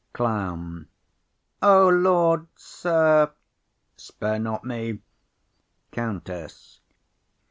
CLOWN. O Lord, sir! Spare not me. COUNTESS.